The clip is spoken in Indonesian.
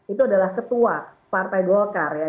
itu adalah ketua partai golkar ya